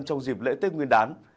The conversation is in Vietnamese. trong dịp lễ tây nguyên đán